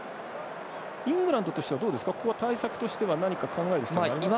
イングランドとしてはここは対策としては何か、考える必要がありますか？